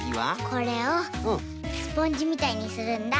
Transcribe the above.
これをスポンジみたいにするんだ。